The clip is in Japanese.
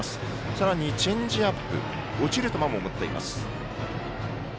さらにチェンジアップ落ちる球も持っています。